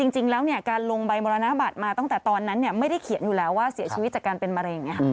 จริงแล้วการลงใบมรณบัตรมาตั้งแต่ตอนนั้นไม่ได้เขียนอยู่แล้วว่าเสียชีวิตจากการเป็นมะเร็ง